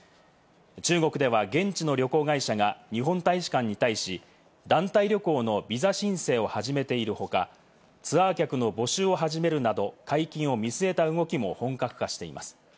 中国では現地の旅行会社が日本大使館に対し、団体旅行のビザ申請を始めている他、ツアー客の募集を始めるなど、解禁を見据えた動きも本格化しています。